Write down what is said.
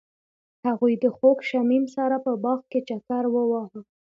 هغوی د خوږ شمیم سره په باغ کې چکر وواهه.